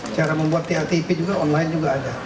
cara membuat tatp juga online juga ada